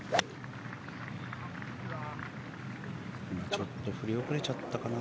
ちょっと振り遅れちゃったかな。